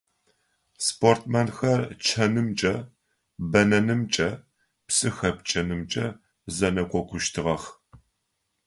Спортсменхэр чъэнымкӀэ, бэнэнымкӀэ, псы хэпкӀэнымкӀэ зэнэкъокъущтыгъэх.